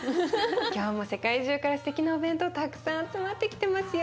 今日も世界中からすてきなお弁当たくさん集まってきてますよ。